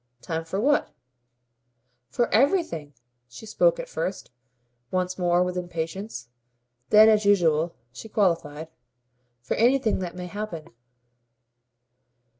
"Time for what?" "For everything!" She spoke at first, once more, with impatience; then as usual she qualified. "For anything that may happen."